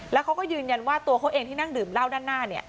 แล้วเขาก็ยืนยันว่าตัวเขาเองที่นั่งดื่มเหล้าด้านหน้าเนี่ย